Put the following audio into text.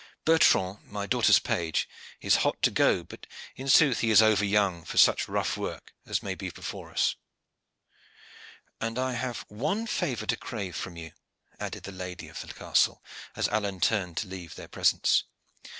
Bertrand, my daughter's page, is hot to go; but in sooth he is over young for such rough work as may be before us." "And I have one favor to crave from you," added the lady of the castle, as Alleyne turned to leave their presence.